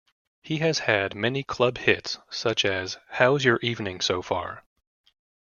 He has had many club hits such as How's Your Evening So Far?